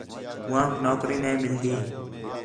ہوآنک نوکری نَے مِلدی